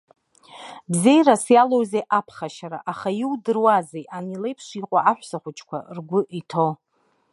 Бзеиарас иалоузеи аԥхашьара, аха иудыруазеи ани леиԥш иҟоу аҳәсахәыҷқәа ргәы иҭоу.